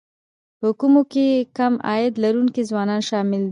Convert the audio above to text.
په کومو کې کم عاید لرونکي ځوانان شامل دي